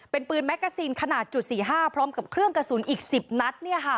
เป็นปืนแกซีนขนาดจุด๔๕พร้อมกับเครื่องกระสุนอีก๑๐นัด